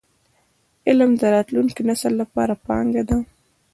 علم د راتلونکي نسل لپاره پانګه ده.